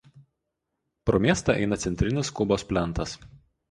Pro miestą eina Centrinis Kubos plentas.